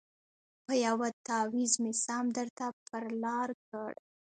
په یوه تعویذ مي سم درته پر لار کړ